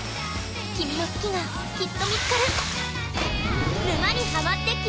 君の好きがきっと見つかる。